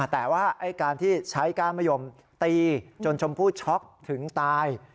แต่ว่าการที่ใช้ก้านมะยมตีจนชมพู่ช็อกถึงตาย